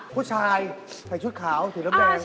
ผู้ชายใส่ชุดขาวสีน้ำแดง